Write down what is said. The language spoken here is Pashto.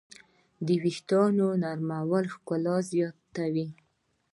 د وېښتیانو نرموالی ښکلا زیاتوي.